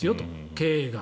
経営が。